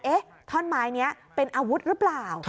ท่อนไม้นี้เป็นอาวุธหรือเปล่า